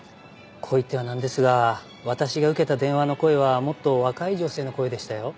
こう言ってはなんですが私が受けた電話の声はもっと若い女性の声でしたよ。